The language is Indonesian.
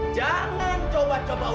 jangan mencoba untuk kamu